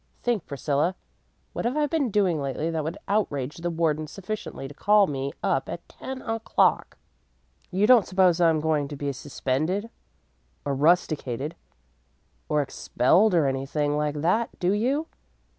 Think, Priscilla. What have I been doing lately that would outrage the warden sufficiently to call me up at ten o'clock? You don't suppose I'm going to be suspended or rusticated or expelled or anything like that, do you?